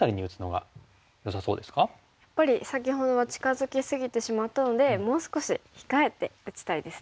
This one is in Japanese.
やっぱり先ほどは近づき過ぎてしまったのでもう少し控えて打ちたいですね。